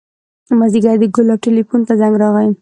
مازديګر د ګلاب ټېلفون ته زنګ راغى.